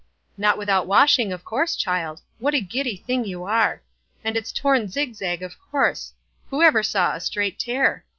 "Not without washing, of course, child. What a giddy thing you are. And it's torn zig zag, of course; who ever saw a straight tear?